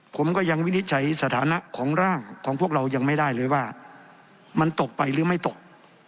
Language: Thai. ผมก็ยังวินิจฉัยสถานะของร่างของพวกเรายังไม่ได้เลยว่ามันตกไปหรือไม่ตก